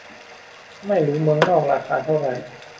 ไม่รู้เมืองนอกราคาเท่าไหร่